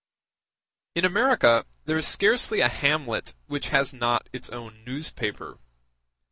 In America there is scarcely a hamlet which has not its own newspaper.